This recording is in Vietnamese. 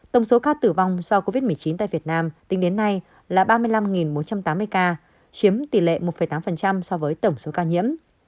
tổng số ca tử vong do covid một mươi chín tại việt nam tính đến nay là ba mươi năm bốn trăm tám mươi ca chiếm tỷ lệ một tám so với tổng số ca nhiễm